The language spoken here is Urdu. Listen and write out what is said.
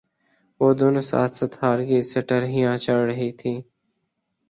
وہ دونوں ساتھ ساتھ ہال کی سٹر ھیاں چڑھ رہی تھیں